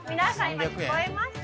今聞こえました？